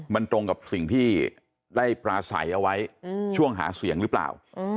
มันตรงกับสิ่งที่ได้ปราศัยเอาไว้ช่วงหาเสียงหรือเปล่า